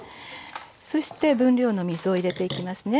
そして分量の水を入れていきますね。